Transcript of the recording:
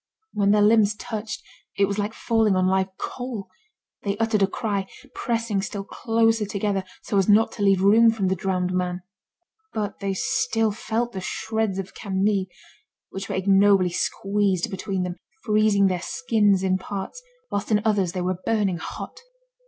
When their limbs touched, it was like falling on live coal. They uttered a cry, pressing still closer together, so as not to leave room for the drowned man. But they still felt the shreds of Camille, which were ignobly squeezed between them, freezing their skins in parts, whilst in others they were burning hot.